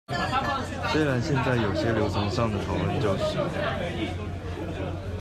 雖然現在有些流程上的討論就是